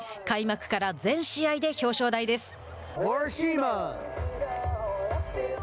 開幕から全試合で表彰台です。